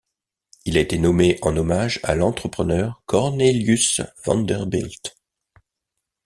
Il a été nommé en hommage à l’entrepreneur Cornelius Vanderbilt.